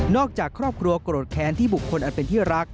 จากครอบครัวโกรธแค้นที่บุคคลอันเป็นที่รัก